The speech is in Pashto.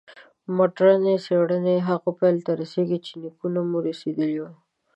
مډرني څېړنې هغو پایلو ته رسېږي چې نیکونه مو رسېدلي وو.